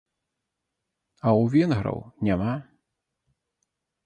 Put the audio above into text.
А у венграў няма!